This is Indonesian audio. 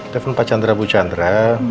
telepon pak chandra bu chandra